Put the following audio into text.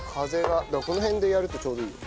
だからこの辺でやるとちょうどいいよ。